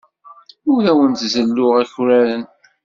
Ur awent-zelluɣ akraren.